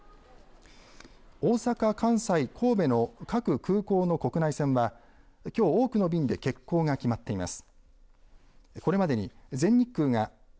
大阪、関西、神戸の各空港の国内線はきょう多くの便で欠航が決まっています。